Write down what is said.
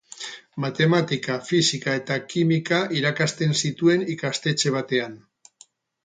Matematika, fisika eta kimika irakasten zituen ikastetxe batean.